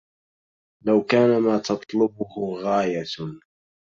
لو كان ما تطلبه غاية